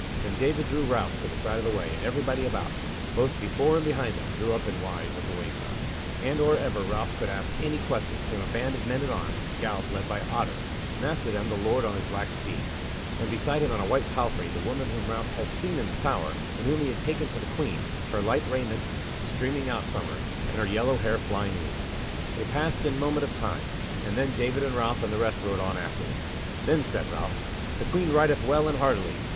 Then David drew Ralph to the side of the way, and everybody about, both before and behind them, drew up in wise at the wayside, and or ever Ralph could ask any question, came a band of men at arms at the gallop led by Otter, and after them the Lord on his black steed, and beside him on a white palfrey the woman whom Ralph had seen in the Tower, and whom he had taken for the Queen, her light raiment streaming out from her, and her yellow hair flying loose. They passed in a moment of time, and then David and Ralph and the rest rode on after them. Then said Ralph: "The Queen rideth well and hardily."